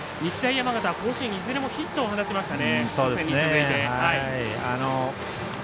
山形は甲子園いずれもヒットを放ちましたね。